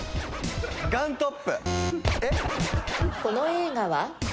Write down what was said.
この映画は？